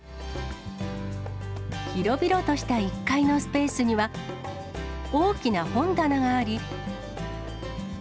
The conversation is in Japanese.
広々とした１階のスペースには、大きな本棚があり。